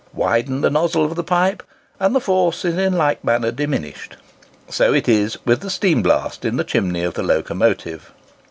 Widen the nozzle of the pipe, and the force is in like manner diminished. So is it with the steam blast in the chimney of the locomotive.